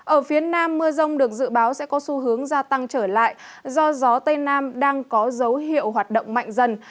ở phía nam mưa rông được dự báo sẽ có xu hướng gia tăng trở lại do gió tây nam đang có dấu hiệu hoạt động mạnh dần